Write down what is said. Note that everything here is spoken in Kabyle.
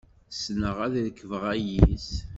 Ssneɣ ad rekbeɣ ayis.